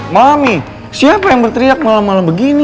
mami siapa yang berteriak malam malam begini